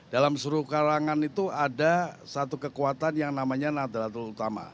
dalam seluruh kalangan itu ada satu kekuatan yang namanya nadratul utama